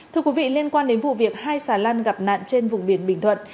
thưa quý vị liên quan đến vụ việc hai xà lan gặp nạn trên vùng biển bình thuận